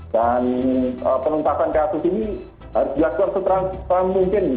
dan penumpakan kasus ini harus dilakukan seteran mungkin